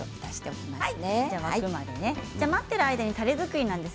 待っている間にたれ作りです。